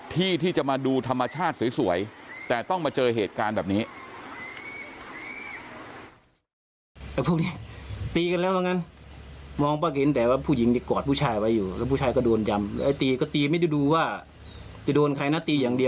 ที่ที่จะมาดูธรรมชาติสวยแต่ต้องมาเจอเหตุการณ์แบบนี้